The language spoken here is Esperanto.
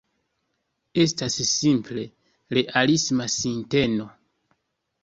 Estas simple realisma sinteno.